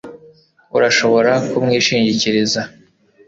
urashobora kumwishingikiriza